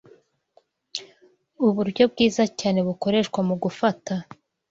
Uburyo bwiza cyane bukoreshwa mu gufata